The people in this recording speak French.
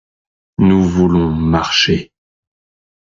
Nous voulons marcher.